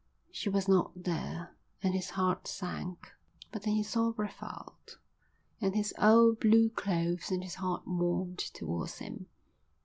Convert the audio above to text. She was not there and his heart sank, but then he saw Brevald, in his old blue clothes, and his heart warmed towards him.